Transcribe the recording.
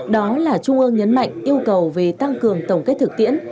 đó là trung ương nhấn mạnh yêu cầu về tăng cường tổng kết thực tiễn